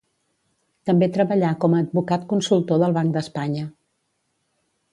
També treballà com a advocat consultor del Banc d'Espanya.